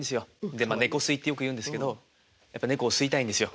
でまあ「猫吸い」ってよく言うんですけどやっぱ猫を吸いたいんですよ。